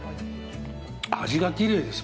味がきれいです。